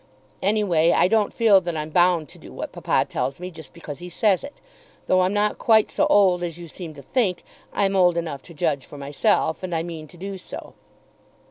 Anyway, I don't feel that I'm bound to do what papa tells me just because he says it. Though I'm not quite so old as you seem to think, I'm old enough to judge for myself, and I mean to do so.